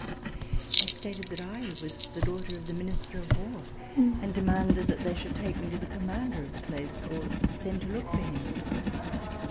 I stated that I was the daughter of the Minister of War and demanded that they should take me to the commander of the place or send to look for him.